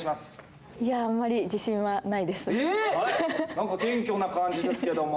何か謙虚な感じですけども。